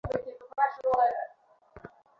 আমি রাজি নই।